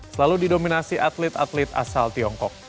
selalu didominasi atlet atlet asal tiongkok